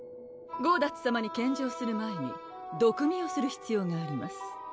ゴーダッツさまに献上する前に毒味をする必要があります